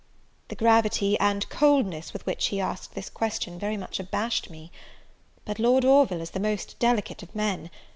The gravity and coldness with which he asked this question very much abashed me. But Lord Orville is the most delicate of men!